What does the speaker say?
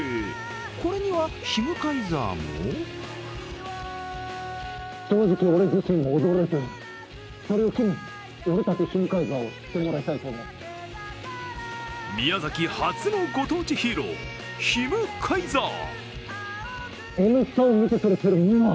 これにはヒムカイザーも宮崎発のご当地ヒーローヒムカイザー。